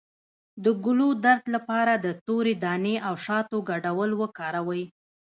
د ګلو درد لپاره د تورې دانې او شاتو ګډول وکاروئ